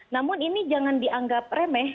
namun ini jangan dianggap remeh